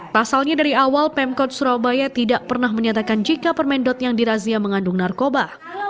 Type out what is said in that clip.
pasalnya dari awal pemkot surabaya tidak pernah menyatakan jika permendot yang dirazia mengandung narkoba